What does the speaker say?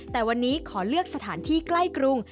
แต่วันนี้ขอเลือกสถานที่ใกล้กรุง